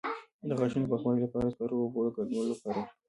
د غاښونو د پاکوالي لپاره د سکرو او اوبو ګډول وکاروئ